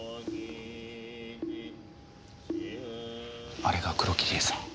あれが黒木梨絵さん。